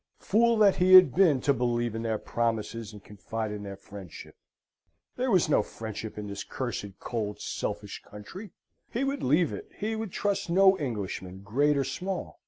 Fool that he had been, to believe in their promises, and confide in their friendship! There was no friendship in this cursed, cold, selfish country. He would leave it. He would trust no Englishman, great or small.